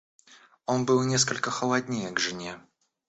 Он был несколько холоднее к жене.